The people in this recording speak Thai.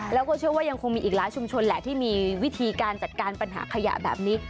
แล้วก็เชื่อว่ายังคงมีอีกหลายชุมชนแหละที่มีวิธีการจัดการปัญหาขยะแบบนี้